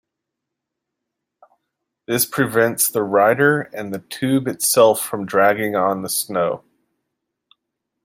This prevents the rider and the tube itself from dragging on the snow.